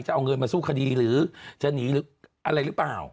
จะเอาเงินมาสู้คดีหรือจะหนีหรืออะไรหรือเปล่า